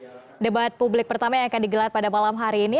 ini debat publik pertama yang akan digelar pada malam hari ini